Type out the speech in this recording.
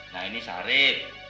nah ini sarit